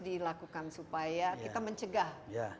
dilakukan supaya kita mencegah